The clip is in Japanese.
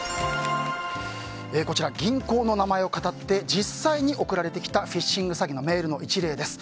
銀行の名前をかたって実際に送られてきたフィッシング詐欺のメールの一例です。